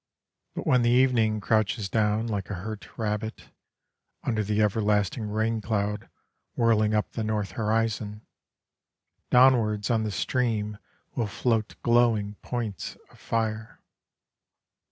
But when the evening Crouches down, like a hurt rabbit, Under the everlasting raincloud whirling up the north horizon, Downwards on the stream will float Glowing points of fire.